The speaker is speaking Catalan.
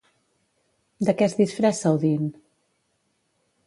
De què es disfressa Odín?